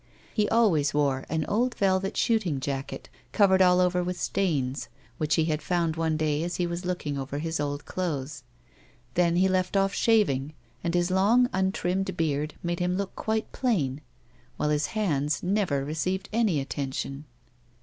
He always wore an old velvet shooting jacket, covered all over with stains, w'hich he had found one day as he was looking over his old clothes ; then he left off shaving, and his long, untrimmed beard made him look quite plain, while his hands never received any attention.